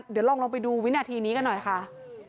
เดี๋ยวลองไปดูวินาทีนี้กันหน่อยค่ะ